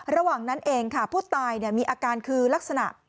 ระหว่างนั้นเองค่ะผู้ตายมีอาการคือลักษณะ